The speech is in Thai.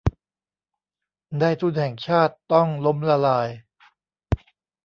นายทุนแห่งชาติต้องล้มละลาย